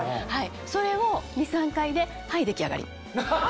それを２３回ではい出来上がり。